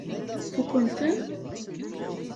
Fukken-ten?